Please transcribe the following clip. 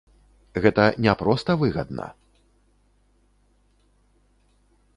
Гэта не проста выгадна.